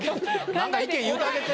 何か意見言うてあげて。